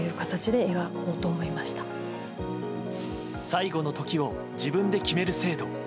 最期の時を自分で決める制度。